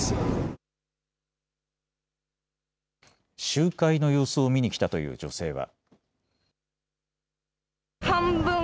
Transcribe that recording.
集会の様子を見に来たという女性は。